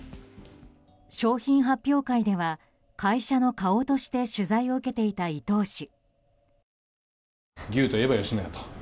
商品発表会では会社の顔として取材を受けていた伊東氏。